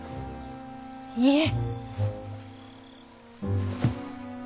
いいえ。